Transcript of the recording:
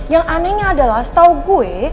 yang anehnya adalah setau kue